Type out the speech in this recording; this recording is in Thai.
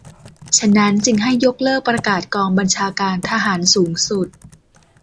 ฉะนั้น จึงให้ยกเลิกประกาศกองบัญชาการทหารสูงสุด